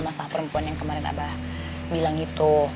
masalah perempuan yang kemarin abah bilang gitu